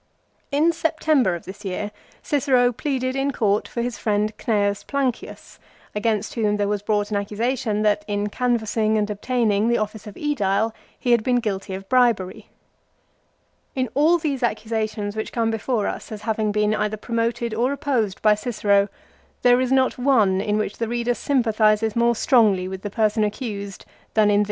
1 In September of this year Cicero pleaded in court for his friend Cn. Plancius, against whom there was brought an accusation that in canvassing and obtaining the office of ^Edile he had been guilty of bribery. In all these accusa tions which come before us as having been either promoted or opposed by Cicero, there is not one in which the reader sympathises more strongly with the person accused than in 1 Horace, Sat. lib.